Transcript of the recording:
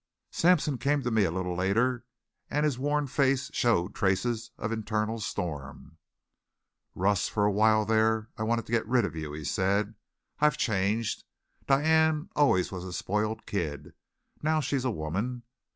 Sampson came to me a little later and his worn face showed traces of internal storm. "Russ, for a while there I wanted to get rid of you," he said. "I've changed. Diane always was a spoiled kid. Now she's a woman.